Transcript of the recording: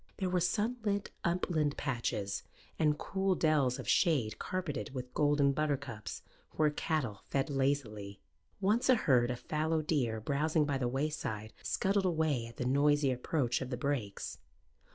There were sunlit upland patches and cool dells of shade carpeted with golden buttercups, where cattle fed lazily. Once a herd of fallow deer browsing by the wayside scuttled away at the noisy approach of the brakes.